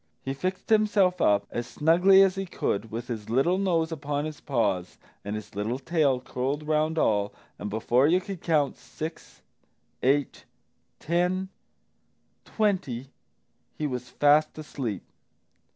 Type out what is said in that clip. He fixed himself up as snugly as he could, with his little nose upon his paws and his little tail curled round all, and before you could count six, eight, ten, twenty, he was fast asleep.